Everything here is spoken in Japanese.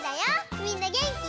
みんなげんき？